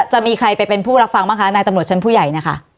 จะมีใครไปเป็นผู้รับฟังบ้างคะนายตำรวจชั้นผู้ใหญ่นะคะ